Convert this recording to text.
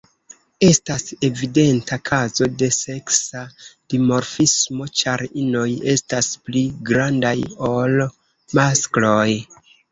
Estas evidenta kazo de seksa dimorfismo, ĉar inoj estas pli grandaj ol maskloj.